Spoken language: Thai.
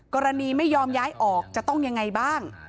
ไม่ยอมย้ายออกจะต้องยังไงบ้าง